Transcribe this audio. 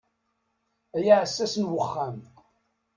Ay aɛessas n uxxam.